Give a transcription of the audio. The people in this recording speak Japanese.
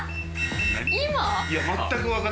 今？